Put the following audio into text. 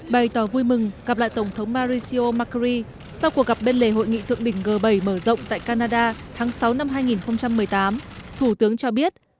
bày tỏ vui mừng gặp lại tổng thống maricio macri sau cuộc gặp bên lề hội nghị thượng đỉnh g bảy mở rộng tại canada tháng sáu năm hai nghìn một mươi tám thủ tướng cho biết